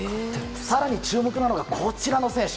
更に注目なのがこちらの選手。